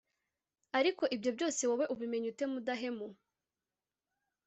Ariko ibyo byose wowe ubimenya ute Mudahemu